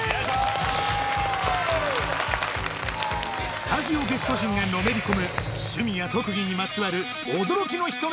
スタジオゲスト陣がのめり込む趣味や特技にまつわる驚きのひと目